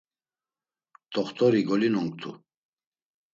T̆oxt̆ori golinonktu.